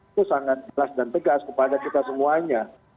itu sangat jelas dan tegas kepada kita semuanya